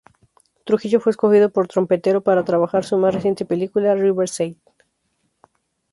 Trujillo fue escogido por Trompetero para trabajar su más reciente película "Riverside".